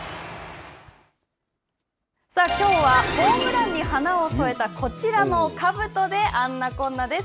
きょうはホームランに花を添えたこちらのかぶとであんなこんなです。